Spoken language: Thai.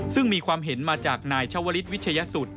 ซึ่งมีความเห็นมาจากนายชาวลิศวิชยสุทธิ